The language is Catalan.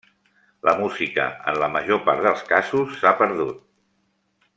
La música, en la major part dels casos s'ha perdut.